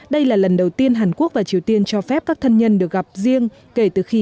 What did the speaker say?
đây là lần đầu tiên hàn quốc và triều tiên cho phép các thân nhân được gặp riêng kể từ khi